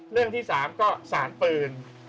เรื่องที่๓ก็สารปืน